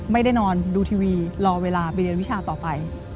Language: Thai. ไม่ได้นอนดูทีวีรอเวลาไปเรียนวิชาต่อไป